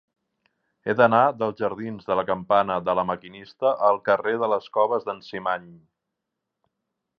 He d'anar dels jardins de la Campana de La Maquinista al carrer de les Coves d'en Cimany.